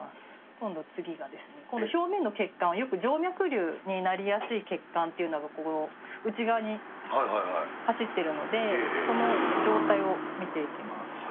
今度次が、この表面の血管をよく静脈瘤になりやすい血管っていうのが、この内側に走ってるので、その状態を見ていきます。